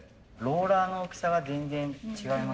ローラーの大きさが違う。